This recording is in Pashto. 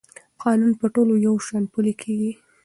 قانون په ټولو یو شان پلی کېږي.